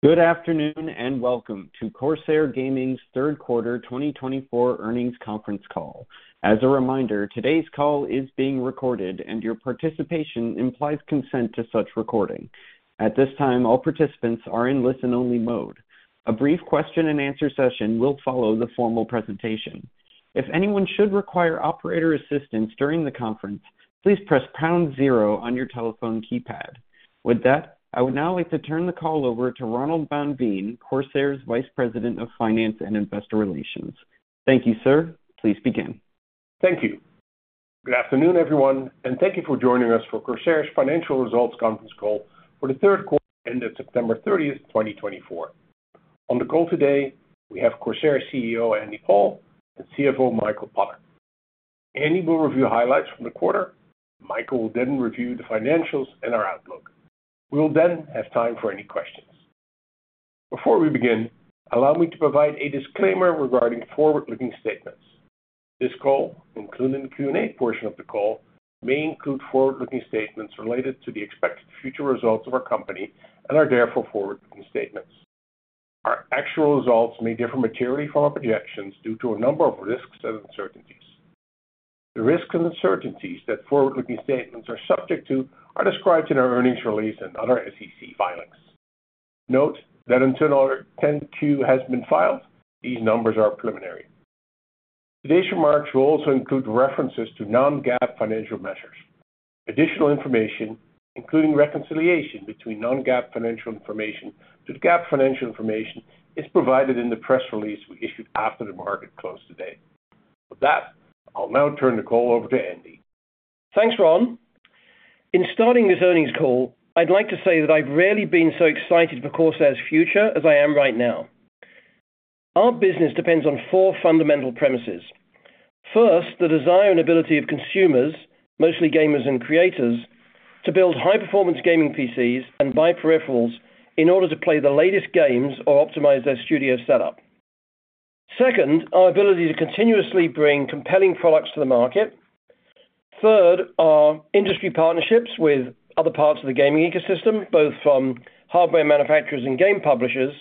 Good afternoon and welcome to Corsair Gaming's third quarter 2024 earnings conference call. As a reminder, today's call is being recorded, and your participation implies consent to such recording. At this time, all participants are in listen-only mode. A brief question-and-answer session will follow the formal presentation. If anyone should require operator assistance during the conference, please press pound zero on your telephone keypad. With that, I would now like to turn the call over to Ronald van Veen, Corsair's Vice President of Finance and Investor Relations. Thank you, sir. Please begin. Thank you. Good afternoon, everyone, and thank you for joining us for Corsair's financial results conference call for the third quarter ended September 30th, 2024. On the call today, we have Corsair CEO Andy Paul and CFO Michael Potter. Andy will review highlights from the quarter. Michael will then review the financials and our outlook. We will then have time for any questions. Before we begin, allow me to provide a disclaimer regarding forward-looking statements. This call, including the Q&A portion of the call, may include forward-looking statements related to the expected future results of our company and are therefore forward-looking statements. Our actual results may differ materially from our projections due to a number of risks and uncertainties. The risks and uncertainties that forward-looking statements are subject to are described in our earnings release and other SEC filings. Note that until our 10-Q has been filed, these numbers are preliminary. Today's remarks will also include references to non-GAAP financial measures. Additional information, including reconciliation between non-GAAP financial information to GAAP financial information, is provided in the press release we issued after the market closed today. With that, I'll now turn the call over to Andy. Thanks, Ron. In starting this earnings call, I'd like to say that I've rarely been so excited for Corsair's future as I am right now. Our business depends on four fundamental premises. First, the desire and ability of consumers, mostly gamers and creators, to build high-performance gaming PCs and buy peripherals in order to play the latest games or optimize their studio setup. Second, our ability to continuously bring compelling products to the market. Third, our industry partnerships with other parts of the gaming ecosystem, both from hardware manufacturers and game publishers.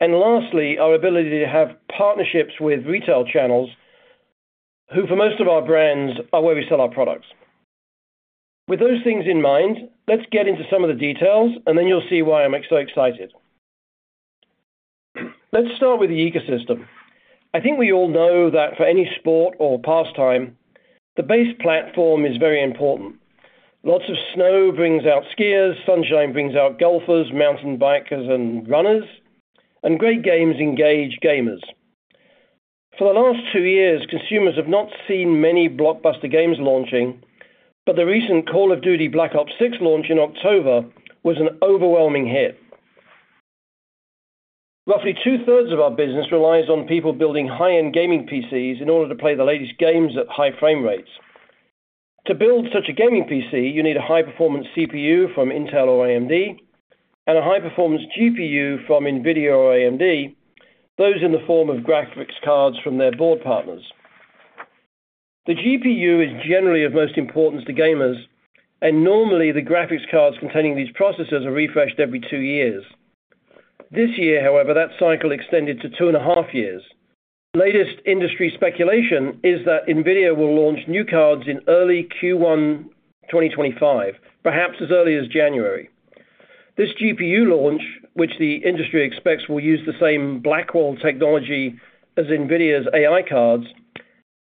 And lastly, our ability to have partnerships with retail channels who, for most of our brands, are where we sell our products. With those things in mind, let's get into some of the details, and then you'll see why I'm so excited. Let's start with the ecosystem. I think we all know that for any sport or pastime, the base platform is very important. Lots of snow brings out skiers, sunshine brings out golfers, mountain bikers, and runners, and great games engage gamers. For the last two years, consumers have not seen many blockbuster games launching, but the recent Call of Duty: Black Ops 6 launch in October was an overwhelming hit. Roughly two-thirds of our business relies on people building high-end gaming PCs in order to play the latest games at high frame rates. To build such a gaming PC, you need a high-performance CPU from Intel or AMD and a high-performance GPU from NVIDIA or AMD, those in the form of graphics cards from their board partners. The GPU is generally of most importance to gamers, and normally the graphics cards containing these processors are refreshed every two years. This year, however, that cycle extended to two and a half years. Latest industry speculation is that NVIDIA will launch new cards in early Q1 2025, perhaps as early as January. This GPU launch, which the industry expects will use the same Blackwell technology as NVIDIA's AI cards,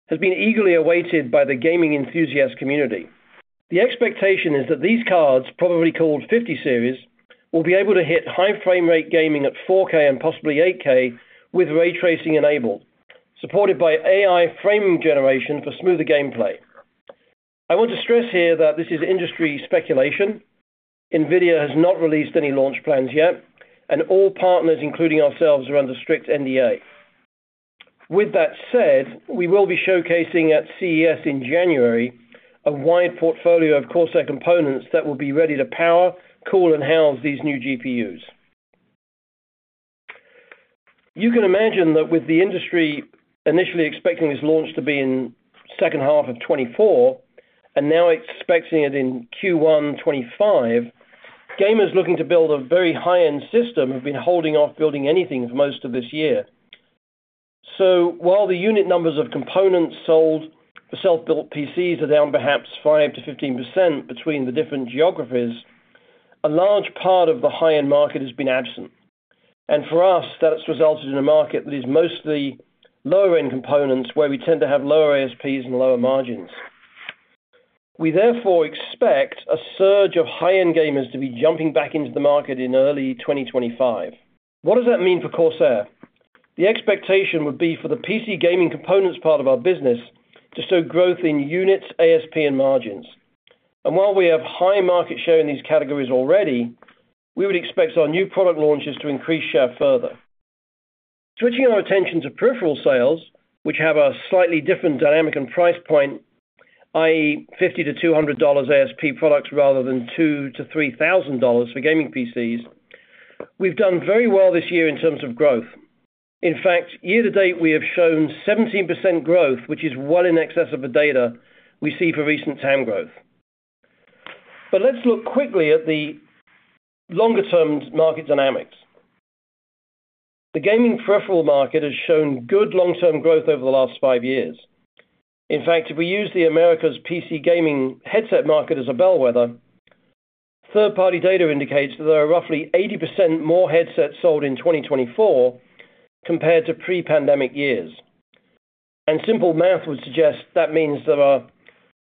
has been eagerly awaited by the gaming enthusiast community. The expectation is that these cards, probably called 50 Series, will be able to hit high frame rate gaming at 4K and possibly 8K with ray tracing enabled, supported by AI frame generation for smoother gameplay. I want to stress here that this is industry speculation. NVIDIA has not released any launch plans yet, and all partners, including ourselves, are under strict NDA. With that said, we will be showcasing at CES in January a wide portfolio of Corsair components that will be ready to power, cool, and house these new GPUs. You can imagine that with the industry initially expecting this launch to be in the second half of 2024 and now expecting it in Q1 2025, gamers looking to build a very high-end system have been holding off building anything for most of this year. So while the unit numbers of components sold for self-built PCs are down perhaps 5% to 15% between the different geographies, a large part of the high-end market has been absent. And for us, that's resulted in a market that is mostly lower-end components where we tend to have lower ASPs and lower margins. We therefore expect a surge of high-end gamers to be jumping back into the market in early 2025. What does that mean for Corsair? The expectation would be for the PC gaming components part of our business to show growth in units, ASP, and margins. While we have high market share in these categories already, we would expect our new product launches to increase share further. Switching our attention to peripheral sales, which have a slightly different dynamic and price point, i.e., $50-$200 ASP products rather than $2,000-$3,000 for gaming PCs, we've done very well this year in terms of growth. In fact, year to date, we have shown 17% growth, which is well in excess of the data we see for recent TAM growth. Let's look quickly at the longer-term market dynamics. The gaming peripheral market has shown good long-term growth over the last five years. In fact, if we use the Americas' PC gaming headset market as a bellwether, third-party data indicates that there are roughly 80% more headsets sold in 2024 compared to pre-pandemic years. Simple math would suggest that means there are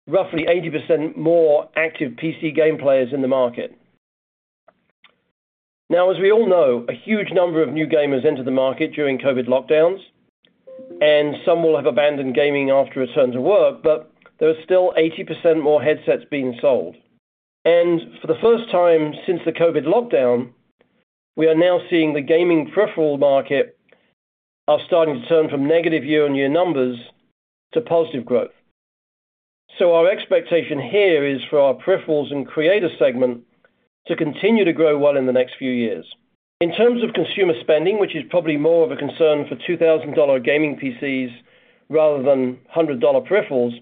roughly 80% more active PC game players in the market. Now, as we all know, a huge number of new gamers entered the market during COVID lockdowns, and some will have abandoned gaming after return to work, but there are still 80% more headsets being sold. For the first time since the COVID lockdown, we are now seeing the gaming peripheral market starting to turn from negative year-on-year numbers to positive growth. Our expectation here is for our peripherals and creator segment to continue to grow well in the next few years In terms of consumer spending, which is probably more of a concern for $2,000 gaming PCs rather than $100 peripherals,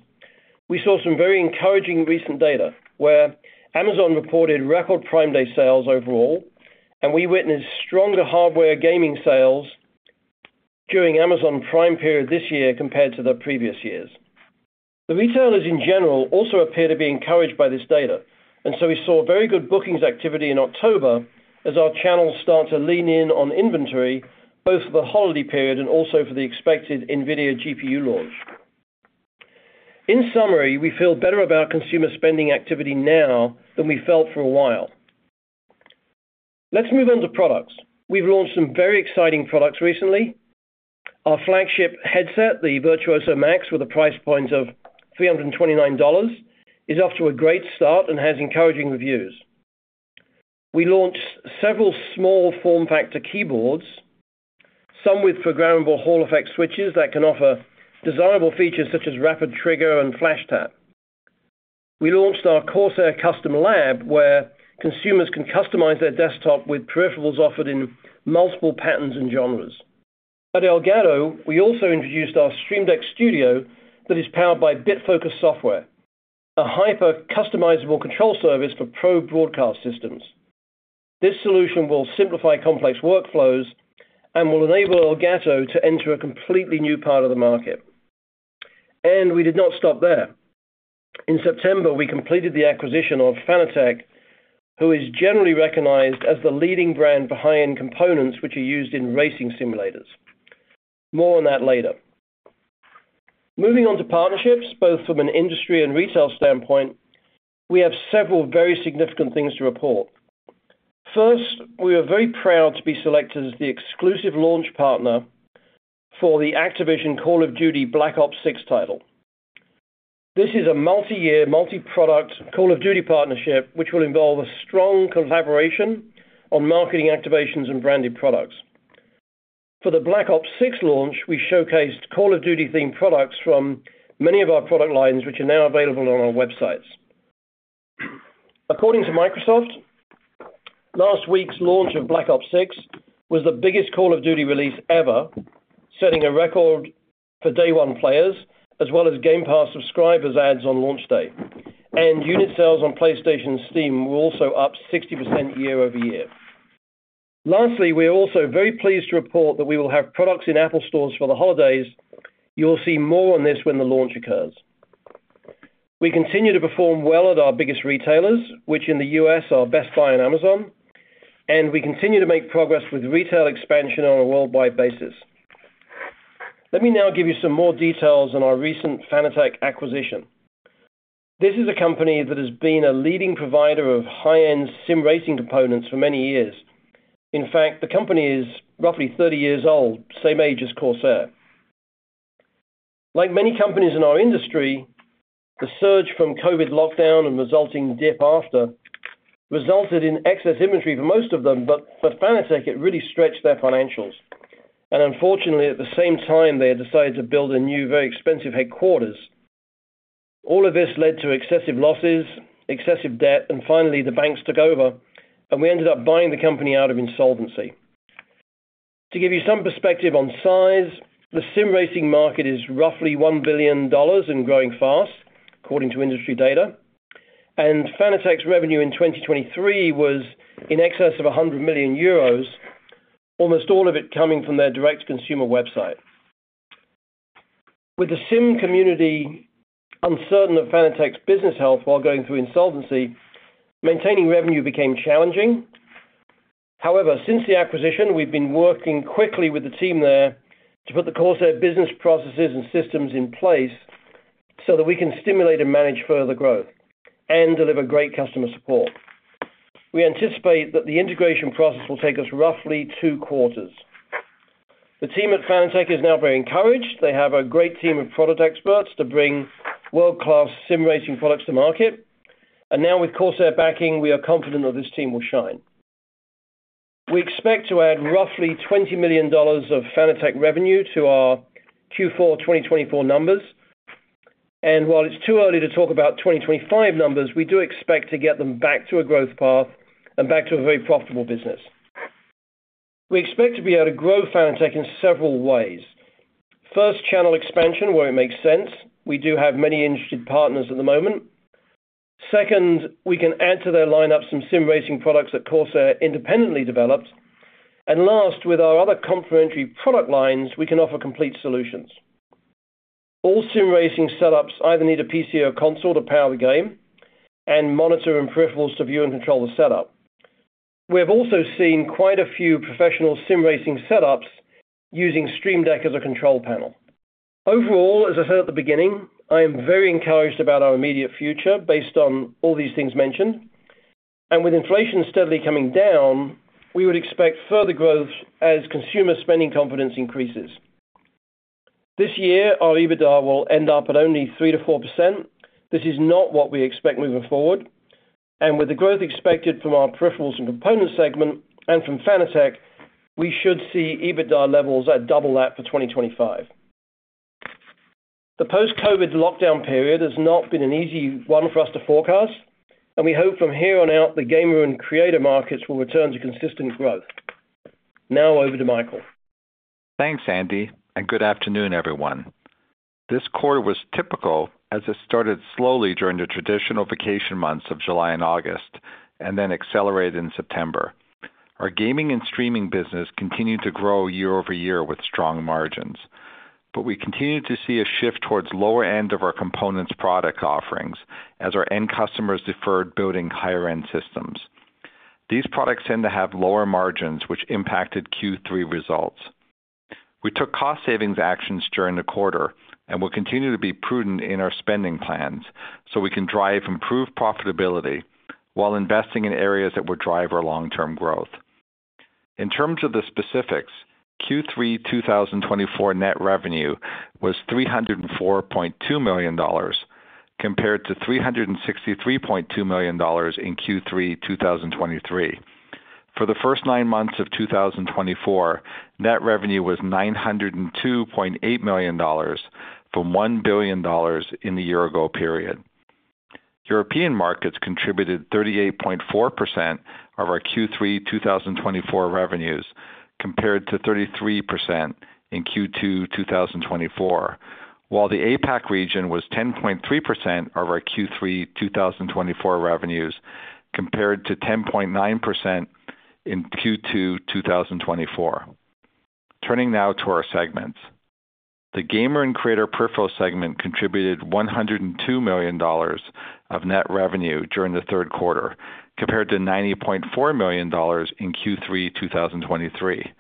we saw some very encouraging recent data where Amazon reported record Prime Day sales overall, and we witnessed stronger hardware gaming sales during Amazon Prime period this year compared to the previous years. The retailers in general also appear to be encouraged by this data, and so we saw very good bookings activity in October as our channels start to lean in on inventory both for the holiday period and also for the expected NVIDIA GPU launch. In summary, we feel better about consumer spending activity now than we felt for a while. Let's move on to products. We've launched some very exciting products recently. Our flagship headset, the Virtuoso Max, with a price point of $329, is off to a great start and has encouraging reviews. We launched several small form factor keyboards, some with programmable Hall Effect switches that can offer desirable features such as Rapid Trigger and FlashTap. We launched our Corsair Custom Lab where consumers can customize their desktop with peripherals offered in multiple patterns and genres. At Elgato, we also introduced our Stream Deck Studio that is powered by Bitfocus software, a hyper-customizable control service for pro broadcast systems. This solution will simplify complex workflows and will enable Elgato to enter a completely new part of the market. And we did not stop there. In September, we completed the acquisition of Fanatec, who is generally recognized as the leading brand for high-end components which are used in racing simulators. More on that later. Moving on to partnerships, both from an industry and retail standpoint, we have several very significant things to report. First, we are very proud to be selected as the exclusive launch partner for the Activision Call of Duty: Black Ops 6 title. This is a multi-year, multi-product Call of Duty partnership which will involve a strong collaboration on marketing activations and branded products. For the Black Ops 6 launch, we showcased Call of Duty-themed products from many of our product lines which are now available on our websites. According to Microsoft, last week's launch of Black Ops 6 was the biggest Call of Duty release ever, setting a record for day-one players as well as Game Pass subscribers adds on launch day, and unit sales on PlayStation and Steam were also up 60% year over year. Lastly, we are also very pleased to report that we will have products in Apple stores for the holidays. You'll see more on this when the launch occurs. We continue to perform well at our biggest retailers, which in the U.S. are Best Buy and Amazon, and we continue to make progress with retail expansion on a worldwide basis. Let me now give you some more details on our recent Fanatec acquisition. This is a company that has been a leading provider of high-end Sim Racing components for many years. In fact, the company is roughly 30 years old, same age as Corsair. Like many companies in our industry, the surge from COVID lockdown and resulting dip after resulted in excess inventory for most of them, but for Fanatec, it really stretched their financials, and unfortunately, at the same time, they had decided to build a new, very expensive headquarters. All of this led to excessive losses, excessive debt, and finally, the banks took over, and we ended up buying the company out of insolvency. To give you some perspective on size, the Sim Racing market is roughly $1 billion and growing fast, according to industry data. And Fanatec's revenue in 2023 was in excess of 100 million euros, almost all of it coming from their direct-to-consumer website. With the sim community uncertain of Fanatec's business health while going through insolvency, maintaining revenue became challenging. However, since the acquisition, we've been working quickly with the team there to put the Corsair business processes and systems in place so that we can stimulate and manage further growth and deliver great customer support. We anticipate that the integration process will take us roughly two quarters. The team at Fanatec is now very encouraged. They have a great team of product experts to bring world-class Sim Racing products to market. And now, with Corsair backing, we are confident that this team will shine. We expect to add roughly $20 million of Fanatec revenue to our Q4 2024 numbers, and while it's too early to talk about 2025 numbers, we do expect to get them back to a growth path and back to a very profitable business. We expect to be able to grow Fanatec in several ways. First, channel expansion where it makes sense. We do have many interested partners at the moment. Second, we can add to their lineup some Sim Racing products that Corsair independently developed, and last, with our other complementary product lines, we can offer complete solutions. All Sim Racing setups either need a PC or console to power the game and monitor and peripherals to view and control the setup. We have also seen quite a few professional Sim Racing setups using Stream Deck as a control panel. Overall, as I said at the beginning, I am very encouraged about our immediate future based on all these things mentioned, and with inflation steadily coming down, we would expect further growth as consumer spending confidence increases. This year, our EBITDA will end up at only 3%-4%. This is not what we expect moving forward, and with the growth expected from our peripherals and components segment and from Fanatec, we should see EBITDA levels at double that for 2025. The post-COVID lockdown period has not been an easy one for us to forecast, and we hope from here on out the gamer and creator markets will return to consistent growth. Now, over to Michael. Thanks, Andy, and good afternoon, everyone. This quarter was typical as it started slowly during the traditional vacation months of July and August and then accelerated in September. Our gaming and streaming business continued to grow year over year with strong margins. But we continued to see a shift towards lower end of our components product offerings as our end customers deferred building higher-end systems. These products tend to have lower margins, which impacted Q3 results. We took cost-savings actions during the quarter and will continue to be prudent in our spending plans so we can drive improved profitability while investing in areas that will drive our long-term growth. In terms of the specifics, Q3 2024 net revenue was $304.2 million compared to $363.2 million in Q3 2023. For the first nine months of 2024, net revenue was $902.8 million from $1 billion in the year-ago period. European markets contributed 38.4% of our Q3 2024 revenues compared to 33% in Q2 2024, while the APAC region was 10.3% of our Q3 2024 revenues compared to 10.9% in Q2 2024. Turning now to our segments, the gamer and creator peripheral segment contributed $102 million of net revenue during the third quarter compared to $90.4 million in Q3 2023.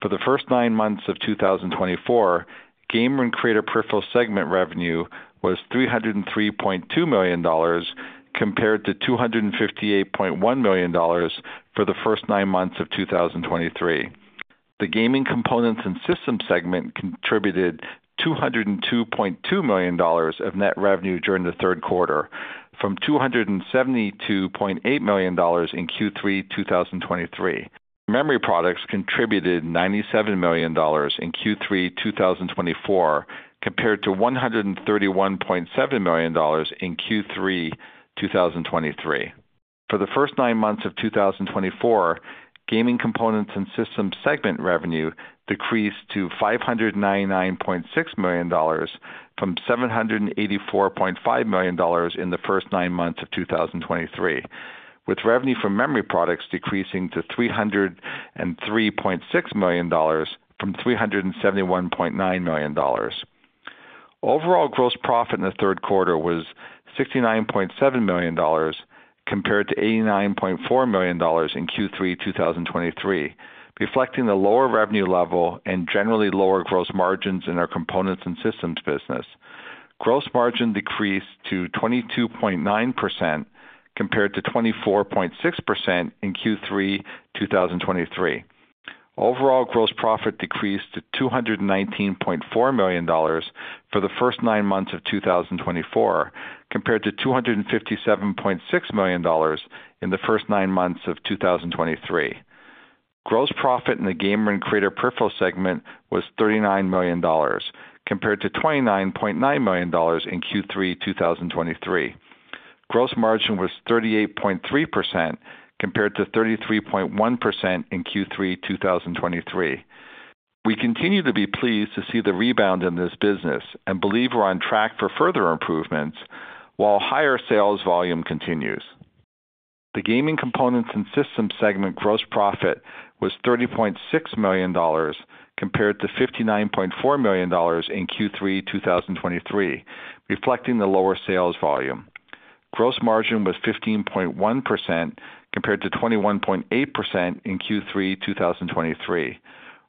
For the first nine months of 2024, gamer and creator peripheral segment revenue was $303.2 million compared to $258.1 million for the first nine months of 2023. The gaming components and system segment contributed $202.2 million of net revenue during the third quarter from $272.8 million in Q3 2023. Memory products contributed $97 million in Q3 2024 compared to $131.7 million in Q3 2023. For the first nine months of 2024, gaming components and system segment revenue decreased to $599.6 million from $784.5 million in the first nine months of 2023, with revenue from memory products decreasing to $303.6 million from $371.9 million. Overall gross profit in the third quarter was $69.7 million compared to $89.4 million in Q3 2023, reflecting a lower revenue level and generally lower gross margins in our components and systems business. Gross margin decreased to 22.9% compared to 24.6% in Q3 2023. Overall gross profit decreased to $219.4 million for the first nine months of 2024 compared to $257.6 million in the first nine months of 2023. Gross profit in the gamer and creator peripheral segment was $39 million compared to $29.9 million in Q3 2023. Gross margin was 38.3% compared to 33.1% in Q3 2023. We continue to be pleased to see the rebound in this business and believe we're on track for further improvements while higher sales volume continues. The gaming components and system segment gross profit was $30.6 million compared to $59.4 million in Q3 2023, reflecting the lower sales volume. Gross margin was 15.1% compared to 21.8% in Q3 2023.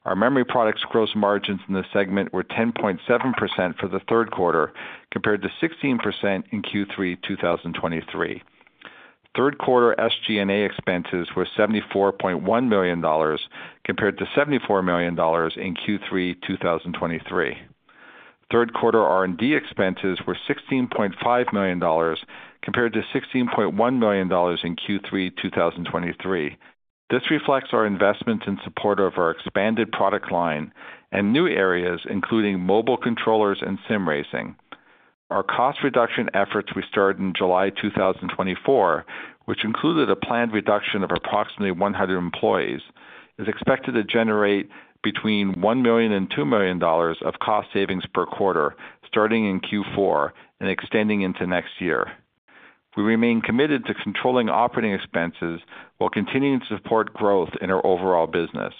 Our memory products gross margins in the segment were 10.7% for the third quarter compared to 16% in Q3 2023. Third quarter SG&A expenses were $74.1 million compared to $74 million in Q3 2023. Third quarter R&D expenses were $16.5 million compared to $16.1 million in Q3 2023. This reflects our investment in support of our expanded product line and new areas including mobile controllers and Sim Racing. Our cost reduction efforts we started in July 2024, which included a planned reduction of approximately 100 employees, is expected to generate between $1 million and $2 million of cost savings per quarter starting in Q4 and extending into next year. We remain committed to controlling operating expenses while continuing to support growth in our overall business.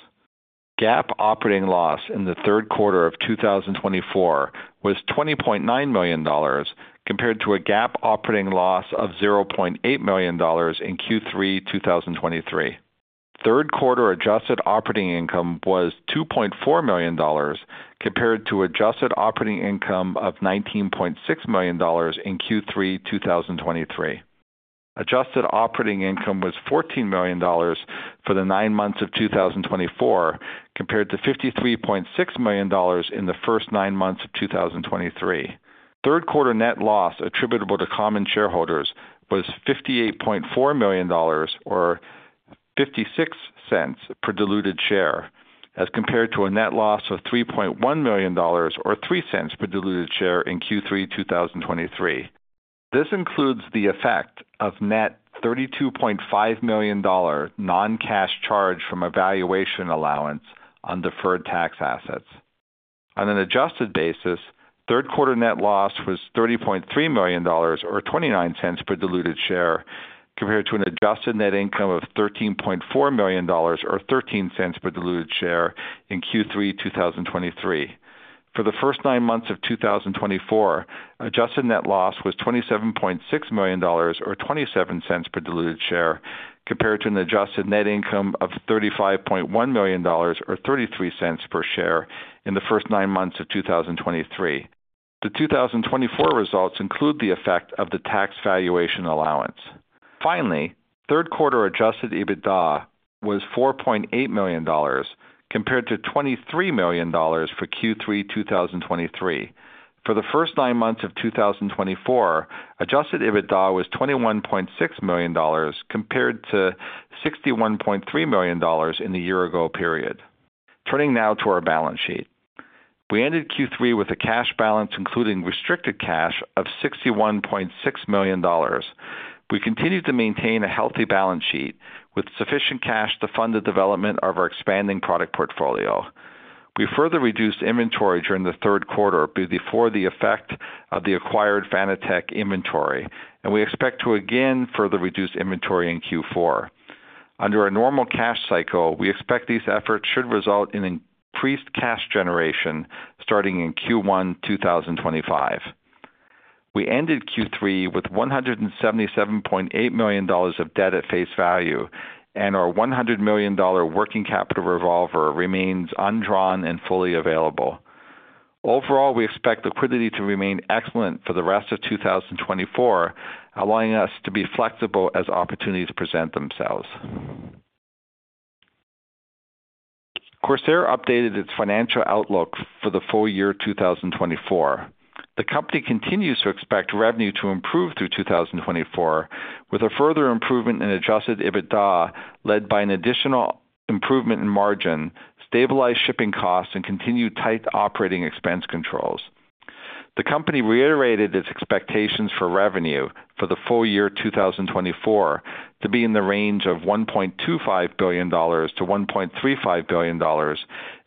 GAAP operating loss in the third quarter of 2024 was $20.9 million compared to a GAAP operating loss of $0.8 million in Q3 2023. Third quarter adjusted operating income was $2.4 million compared to adjusted operating income of $19.6 million in Q3 2023. Adjusted operating income was $14 million for the nine months of 2024 compared to $53.6 million in the first nine months of 2023. Third quarter net loss attributable to common shareholders was $58.4 million or $0.56 per diluted share as compared to a net loss of $3.1 million or $0.03 per diluted share in Q3 2023. This includes the effect of net $32.5 million non-cash charge from a valuation allowance on deferred tax assets. On an adjusted basis, third quarter net loss was $30.3 million or $0.29 per diluted share compared to an adjusted net income of $13.4 million or $0.13 per diluted share in Q3 2023. For the first nine months of 2024, adjusted net loss was $27.6 million or $0.27 per diluted share compared to an adjusted net income of $35.1 million or $0.33 per share in the first nine months of 2023. The 2024 results include the effect of the tax valuation allowance. Finally, third quarter adjusted EBITDA was $4.8 million compared to $23 million for Q3 2023. For the first nine months of 2024, adjusted EBITDA was $21.6 million compared to $61.3 million in the year-ago period. Turning now to our balance sheet. We ended Q3 with a cash balance including restricted cash of $61.6 million. We continued to maintain a healthy balance sheet with sufficient cash to fund the development of our expanding product portfolio. We further reduced inventory during the third quarter before the effect of the acquired Fanatec inventory, and we expect to again further reduce inventory in Q4. Under our normal cash cycle, we expect these efforts should result in increased cash generation starting in Q1 2025. We ended Q3 with $177.8 million of debt at face value, and our $100 million working capital revolver remains undrawn and fully available. Overall, we expect liquidity to remain excellent for the rest of 2024, allowing us to be flexible as opportunities present themselves. Corsair updated its financial outlook for the full year 2024. The company continues to expect revenue to improve through 2024 with a further improvement in adjusted EBITDA led by an additional improvement in margin, stabilized shipping costs, and continued tight operating expense controls. The company reiterated its expectations for revenue for the full year 2024 to be in the range of $1.25 billion-$1.35 billion,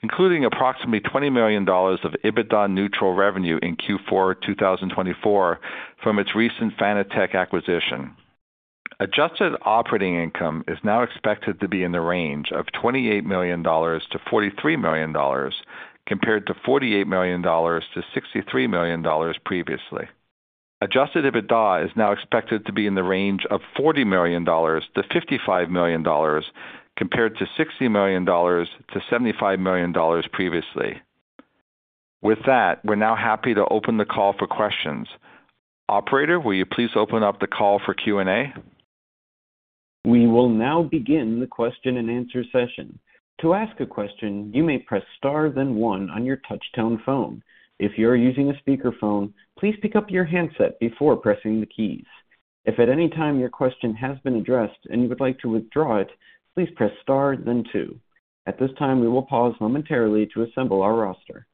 including approximately $20 million of EBITDA-neutral revenue in Q4 2024 from its recent Fanatec acquisition. Adjusted operating income is now expected to be in the range of $28 million-$43 million compared to $48 million-$63 million previously. Adjusted EBITDA is now expected to be in the range of $40 million-$55 million compared to $60 million-$75 million previously. With that, we're now happy to open the call for questions. Operator, will you please open up the call for Q&A? We will now begin the question and answer session. To ask a question, you may press star then one on your touch-tone phone. If you're using a speakerphone, please pick up your handset before pressing the keys. If at any time your question has been addressed and you would like to withdraw it, please press star then two. At this time, we will pause momentarily to assemble our roster.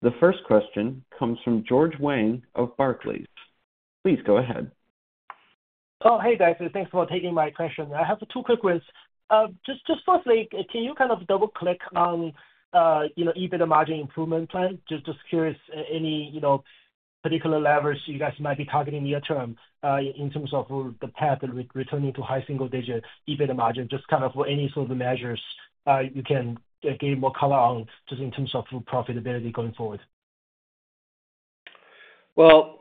The first question comes from George Wang of Barclays. Please go ahead. Oh, hey, guys. Thanks for taking my question. I have two quick ones. Just firstly, can you kind of double-click on EBITDA margin improvement plan? Just curious, any particular levers you guys might be targeting near-term in terms of the path returning to high single-digit EBITDA margin, just kind of any sort of measures you can gain more color on just in terms of profitability going forward? Well,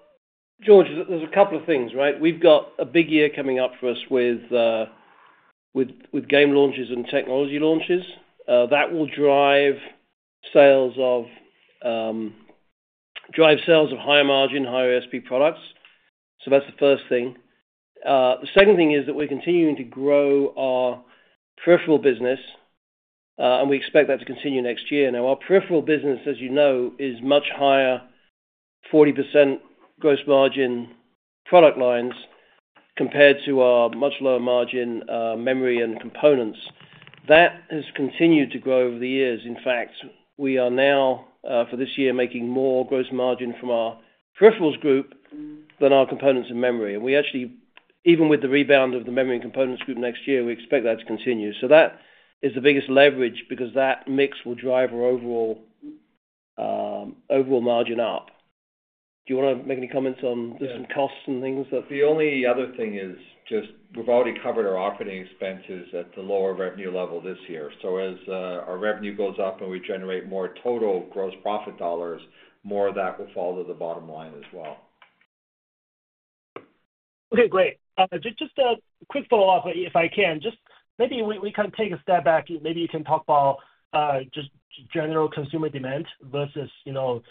George, there's a couple of things, right? We've got a big year coming up for us with game launches and technology launches. That will drive sales of higher margin, higher ASP products. So that's the first thing. The second thing is that we're continuing to grow our peripheral business, and we expect that to continue next year. Now, our peripheral business, as you know, is much higher, 40% gross margin product lines compared to our much lower margin memory and components. That has continued to grow over the years. In fact, we are now, for this year, making more gross margin from our peripherals group than our components and memory. And we actually, even with the rebound of the memory and components group next year, we expect that to continue. So that is the biggest leverage because that mix will drive our overall margin up. Do you want to make any comments on the costs and things that? The only other thing is just we've already covered our operating expenses at the lower revenue level this year. So as our revenue goes up and we generate more total gross profit dollars, more of that will fall to the bottom line as well. Okay, great. Just a quick follow-up, if I can. Maybe we can take a step back. Maybe you can talk about just general consumer demand versus the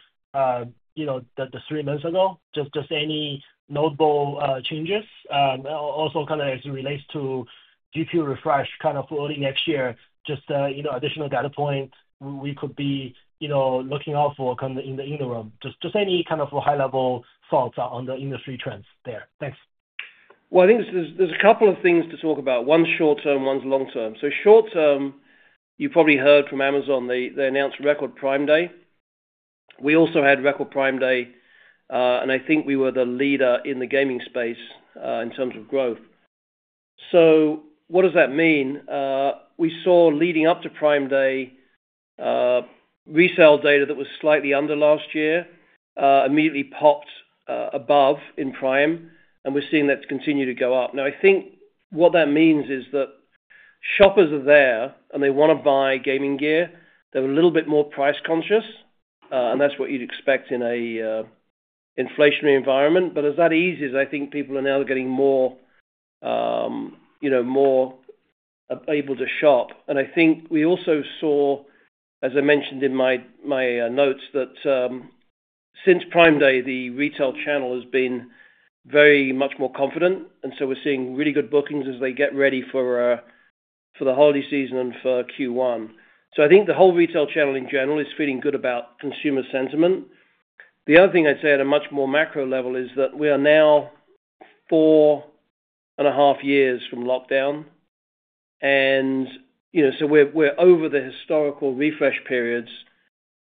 three months ago, just any notable changes. Also, kind of as it relates to GPU refresh kind of early next year, just additional data points we could be looking out for in the interim. Just any kind of high-level thoughts on the industry trends there. Thanks. Well, I think there's a couple of things to talk about. One's short-term, one's long-term. So short-term, you probably heard from Amazon. They announced Record Prime Day. We also had Record Prime Day, and I think we were the leader in the gaming space in terms of growth. So what does that mean? We saw leading up to Prime Day, retail data that was slightly under last year immediately popped above in Prime, and we're seeing that continue to go up. Now, I think what that means is that shoppers are there and they want to buy gaming gear. They're a little bit more price-conscious, and that's what you'd expect in an inflationary environment. But as that eases, I think people are now getting more able to shop. And I think we also saw, as I mentioned in my notes, that since Prime Day, the retail channel has been very much more confident, and so we're seeing really good bookings as they get ready for the holiday season and for Q1. So I think the whole retail channel in general is feeling good about consumer sentiment. The other thing I'd say at a much more macro level is that we are now four and a half years from lockdown, and so we're over the historical refresh periods,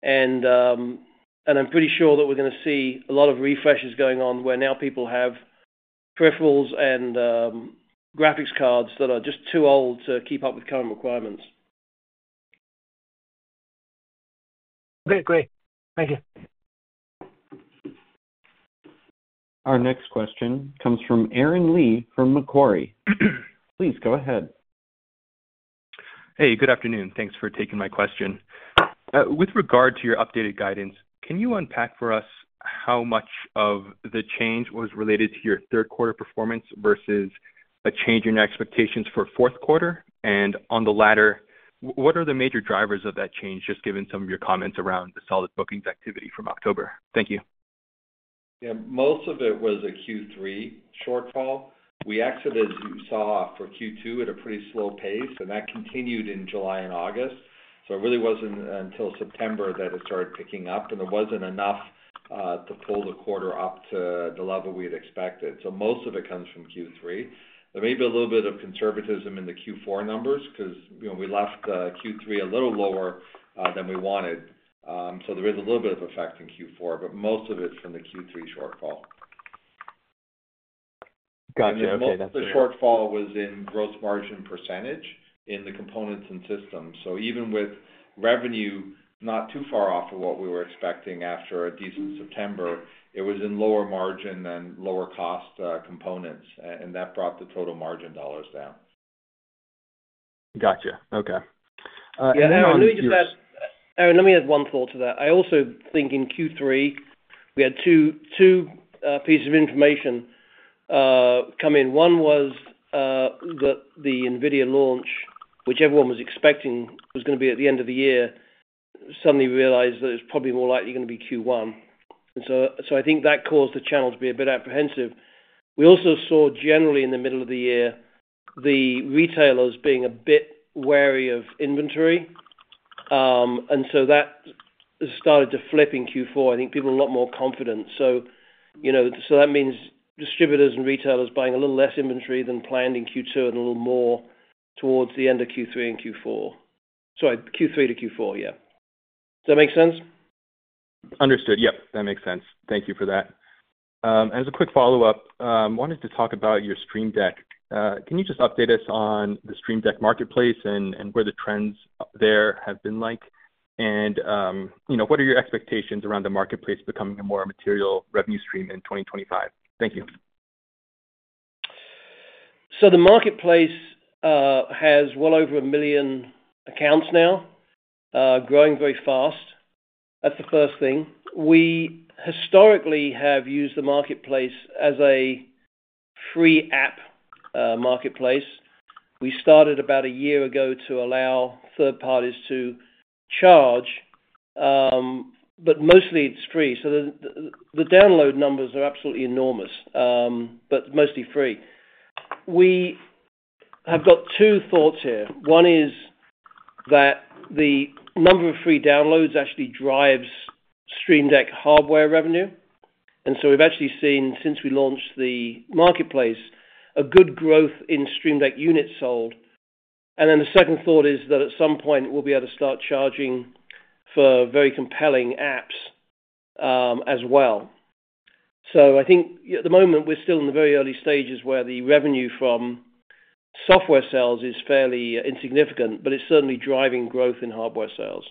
and I'm pretty sure that we're going to see a lot of refreshes going on where now people have peripherals and graphics cards that are just too old to keep up with current requirements. Okay, great. Thank you. Our next question comes from Aaron Lee from Macquarie. Please go ahead. Hey, good afternoon. Thanks for taking my question. With regard to your updated guidance, can you unpack for us how much of the change was related to your third-quarter performance versus a change in your expectations for fourth quarter? And on the latter, what are the major drivers of that change, just given some of your comments around the solid bookings activity from October? Thank you. Yeah, most of it was a Q3 shortfall. We exited, as you saw, for Q2 at a pretty slow pace, and that continued in July and August. So it really wasn't until September that it started picking up, and it wasn't enough to pull the quarter up to the level we had expected. So most of it comes from Q3. There may be a little bit of conservatism in the Q4 numbers because we left Q3 a little lower than we wanted. So there was a little bit of effect in Q4, but most of it's from the Q3 shortfall. Gotcha. Okay, that's good. Most of the shortfall was in gross margin percentage in the components and systems. So even with revenue not too far off of what we were expecting after a decent September, it was in lower margin and lower cost components, and that brought the total margin dollars down. Gotcha. Okay. Aaron, let me just add. Aaron, let me add one thought to that. I also think in Q3, we had two pieces of information come in. One was that the NVIDIA launch, which everyone was expecting was going to be at the end of the year, suddenly realized that it's probably more likely going to be Q1. And so I think that caused the channel to be a bit apprehensive. We also saw generally in the middle of the year the retailers being a bit wary of inventory, and so that started to flip in Q4. I think people are a lot more confident. So that means distributors and retailers buying a little less inventory than planned in Q2 and a little more towards the end of Q3 and Q4. Sorry, Q3 to Q4, yeah. Does that make sense? Understood. Yep, that makes sense. Thank you for that. As a quick follow-up, I wanted to talk about your Stream Deck. Can you just update us on the Stream Deck marketplace and where the trends there have been like, and what are your expectations around the marketplace becoming a more material revenue stream in 2025? Thank you. So the marketplace has well over a million accounts now, growing very fast. That's the first thing. We historically have used the marketplace as a free app marketplace. We started about a year ago to allow third parties to charge, but mostly it's free. So the download numbers are absolutely enormous, but mostly free. We have got two thoughts here. One is that the number of free downloads actually drives Stream Deck hardware revenue. And so we've actually seen, since we launched the marketplace, a good growth in Stream Deck units sold. And then the second thought is that at some point we'll be able to start charging for very compelling apps as well. So I think at the moment we're still in the very early stages where the revenue from software sales is fairly insignificant, but it's certainly driving growth in hardware sales.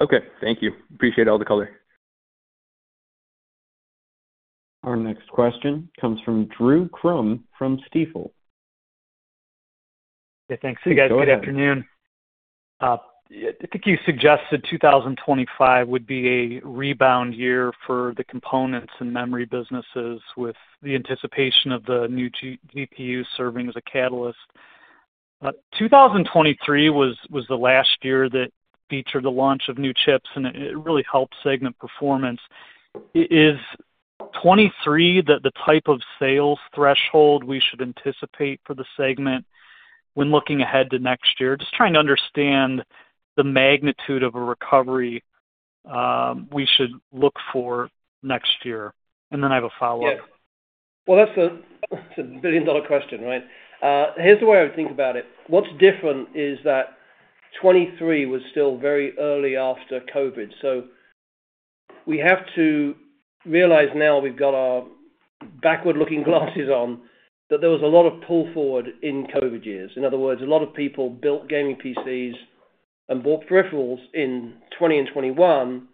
Okay, thank you. Appreciate all the color. Our next question comes from Drew Crum from Stifel. Okay, thanks. Hey, guys. Good afternoon. I think you suggested 2025 would be a rebound year for the components and memory businesses with the anticipation of the new GPU serving as a catalyst. 2023 was the last year that featured the launch of new chips, and it really helped segment performance. Is 2023 the type of sales threshold we should anticipate for the segment when looking ahead to next year? Just trying to understand the magnitude of a recovery we should look for next year. And then I have a follow-up. Yeah. Well, that's a billion-dollar question, right? Here's the way I would think about it. What's different is that 2023 was still very early after COVID. So we have to realize now we've got our backward-looking glasses on that there was a lot of pull forward in COVID years. In other words, a lot of people built gaming PCs and bought peripherals in 2020 and 2021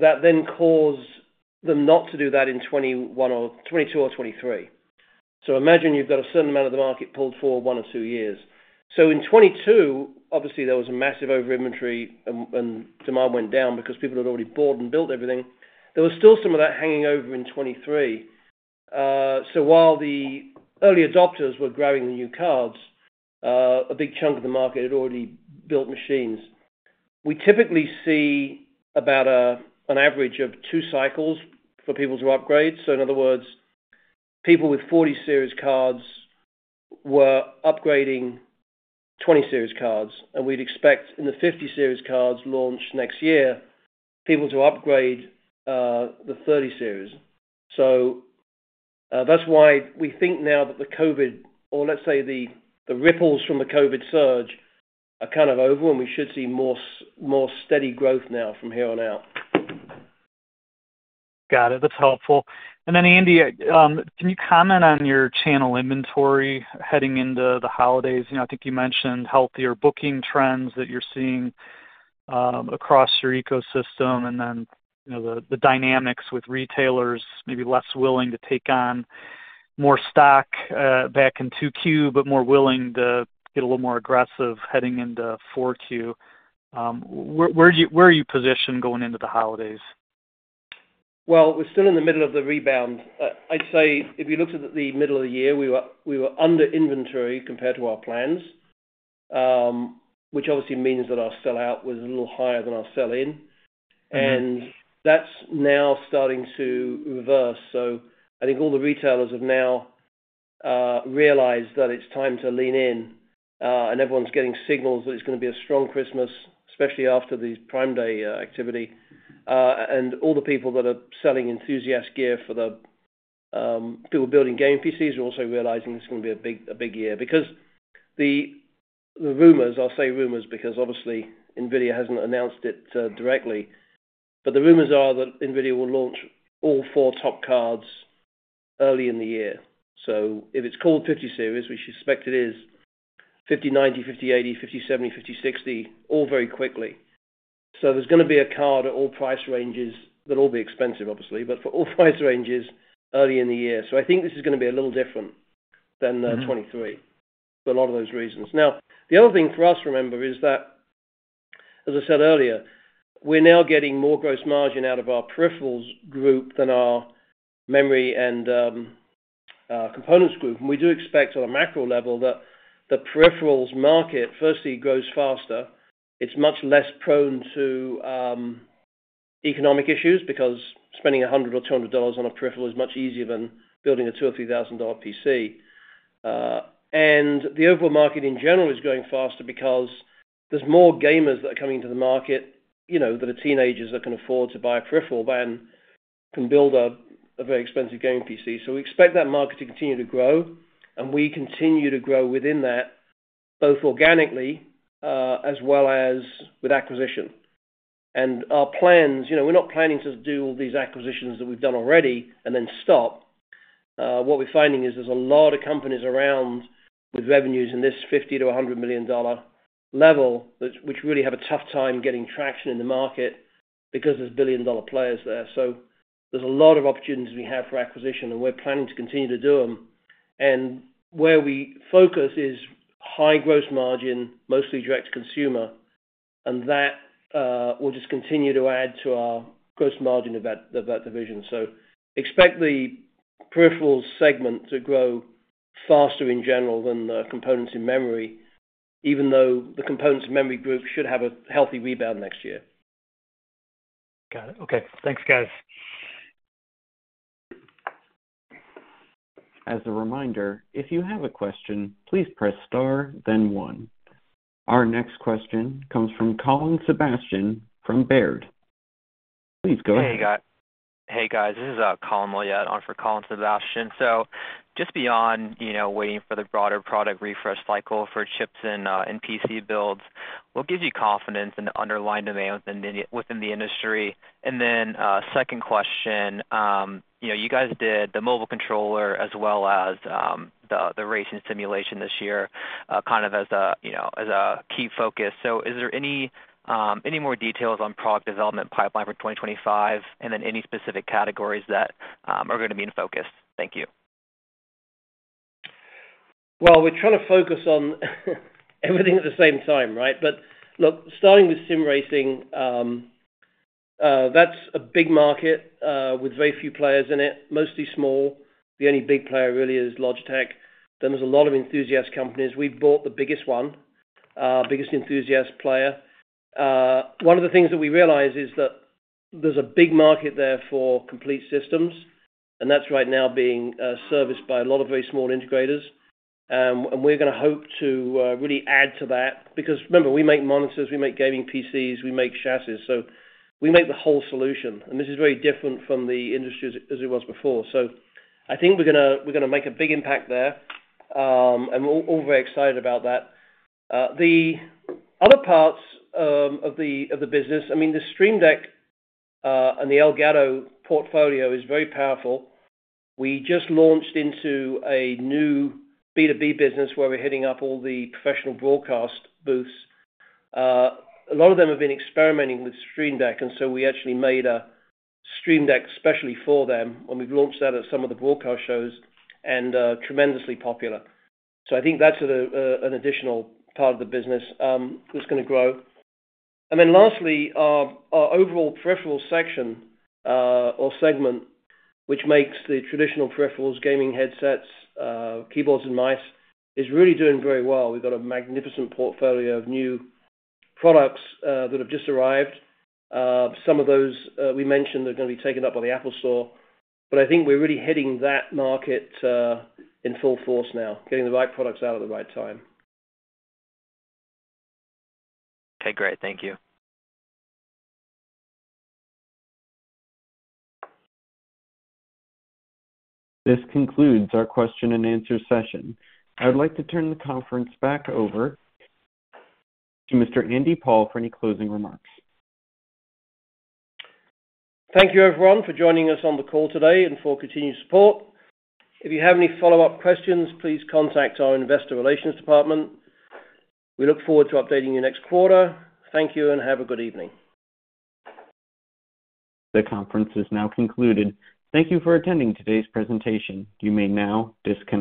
that then caused them not to do that in 2021 or 2022 or 2023. So imagine you've got a certain amount of the market pulled for one or two years. In 2022, obviously, there was a massive over-inventory and demand went down because people had already bought and built everything. There was still some of that hanging over in 2023. While the early adopters were grabbing the new cards, a big chunk of the market had already built machines. We typically see about an average of two cycles for people to upgrade. In other words, people with 40 Series cards were upgrading 20 Series cards. We'd expect in the 50 Series cards launch next year, people to upgrade the 30 Series. That's why we think now that the COVID, or let's say the ripples from the COVID surge, are kind of over, and we should see more steady growth now from here on out. Got it. That's helpful. And then, Andy, can you comment on your channel inventory heading into the holidays? I think you mentioned healthier booking trends that you're seeing across your ecosystem, and then the dynamics with retailers maybe less willing to take on more stock back in 2Q, but more willing to get a little more aggressive heading into 4Q. Where are you positioned going into the holidays? Well, we're still in the middle of the rebound. I'd say if you looked at the middle of the year, we were under inventory compared to our plans, which obviously means that our sell-out was a little higher than our sell-in, and that's now starting to reverse, so I think all the retailers have now realized that it's time to lean in, and everyone's getting signals that it's going to be a strong Christmas, especially after the Prime Day activity. And all the people that are selling enthusiast gear for the people building gaming PCs are also realizing it's going to be a big year. Because the rumors, I'll say rumors because obviously NVIDIA hasn't announced it directly, but the rumors are that NVIDIA will launch all four top cards early in the year. So if it's called 50 Series, which you suspect it is, 5090, 5080, 5070, 5060, all very quickly. So there's going to be a card at all price ranges that'll all be expensive, obviously, but for all price ranges early in the year. So I think this is going to be a little different than 2023 for a lot of those reasons. Now, the other thing for us to remember is that, as I said earlier, we're now getting more gross margin out of our peripherals group than our memory and components group. We do expect on a macro level that the peripherals market, firstly, grows faster. It's much less prone to economic issues because spending $100 or $200 on a peripheral is much easier than building a $2,000-$3,000 PC. The overall market in general is growing faster because there's more gamers that are coming into the market that are teenagers that can afford to buy a peripheral than can build a very expensive gaming PC. We expect that market to continue to grow, and we continue to grow within that both organically as well as with acquisition. Our plans, we're not planning to do all these acquisitions that we've done already and then stop. What we're finding is there's a lot of companies around with revenues in this $50 million-$100 million level, which really have a tough time getting traction in the market because there's billion-dollar players there. So there's a lot of opportunities we have for acquisition, and we're planning to continue to do them. And where we focus is high gross margin, mostly direct to consumer, and that will just continue to add to our gross margin of that division. So expect the peripherals segment to grow faster in general than the components in memory, even though the components in memory group should have a healthy rebound next year. Got it. Okay. Thanks, guys. As a reminder, if you have a question, please press star, then one. Our next question comes from Colin Sebastian from Baird. Please go ahead. Hey, guys. Hey, guys. This is Colin Moyet on for Colin Sebastian. So just beyond waiting for the broader product refresh cycle for chips and PC builds, what gives you confidence in the underlying demand within the industry? And then second question, you guys did the mobile controller as well as the Sim Racing this year kind of as a key focus. So is there any more details on product development pipeline for 2025 and then any specific categories that are going to be in focus? Thank you. We're trying to focus on everything at the same time, right? But look, starting with Sim Racing, that's a big market with very few players in it, mostly small. The only big player really is Logitech. Then there's a lot of enthusiast companies. We bought the biggest one, biggest enthusiast player. One of the things that we realize is that there's a big market there for complete systems, and that's right now being serviced by a lot of very small integrators. And we're going to hope to really add to that because remember, we make monitors, we make gaming PCs, we make chassis. So we make the whole solution. And this is very different from the industry as it was before. So I think we're going to make a big impact there, and we're all very excited about that. The other parts of the business, I mean, the Stream Deck and the Elgato portfolio is very powerful. We just launched into a new B2B business where we're hitting up all the professional broadcast booths. A lot of them have been experimenting with Stream Deck, and so we actually made a Stream Deck specially for them, and we've launched that at some of the broadcast shows, and tremendously popular. So I think that's an additional part of the business that's going to grow. And then lastly, our overall peripheral section or segment, which makes the traditional peripherals, gaming headsets, keyboards, and mice, is really doing very well. We've got a magnificent portfolio of new products that have just arrived. Some of those we mentioned are going to be taken up by the Apple Store. But I think we're really hitting that market in full force now, getting the right products out at the right time. Okay, great. Thank you. This concludes our question and answer session. I would like to turn the conference back over to Mr. Andy Paul for any closing remarks. Thank you, everyone, for joining us on the call today and for continued support. If you have any follow-up questions, please contact our investor relations department. We look forward to updating you next quarter. Thank you and have a good evening. The conference is now concluded. Thank you for attending today's presentation. You may now disconnect.